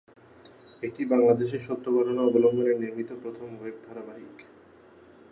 এটি বাংলাদেশের সত্য ঘটনা অবলম্বনে নির্মিত প্রথম ওয়েব ধারাবাহিক।